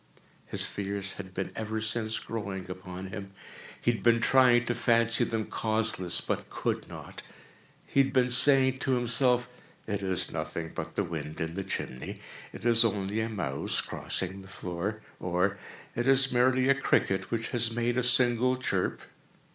His fears had been ever since growing upon him. He had been trying to fancy them causeless, but could not. He had been saying to himself—"It is nothing but the wind in the chimney—it is only a mouse crossing the floor," or "It is merely a cricket which has made a single chirp."